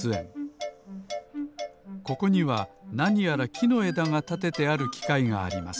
ここにはなにやらきのえだがたててあるきかいがあります。